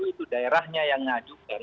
itu daerahnya yang ngajukan